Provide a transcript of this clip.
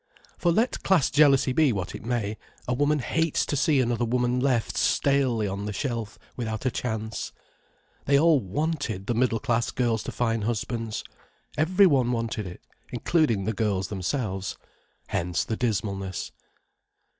For let class jealousy be what it may, a woman hates to see another woman left stalely on the shelf, without a chance. They all wanted the middle class girls to find husbands. Every one wanted it, including the girls themselves. Hence the dismalness.